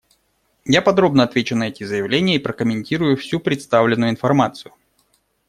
Я подробно отвечу на эти заявления и прокомментирую всю представленную информацию.